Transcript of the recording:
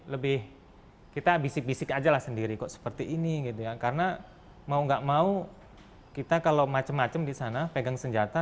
lebih kita bisik bisik aja lah sendiri kok seperti ini gitu ya karena mau gak mau kita kalau macem macem di sana pegang senjata